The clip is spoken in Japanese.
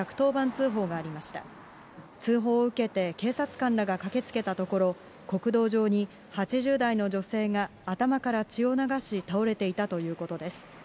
通報を受けて警察官らが駆けつけたところ、国道上に８０代の女性が頭から血を流し、倒れていたということです。